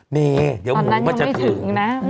เมเดี๋ยวหมูมันจะถึง